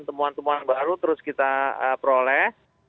temuan temuan baru terus kita peroleh